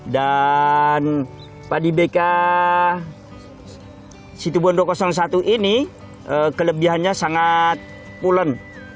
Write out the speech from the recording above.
dan padi bk situbondo satu ini kelebihannya sangat pulen